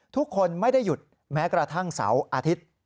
ทุกคนไม่ได้หยุดแม้กระทั่งเสาร์อาทิตย์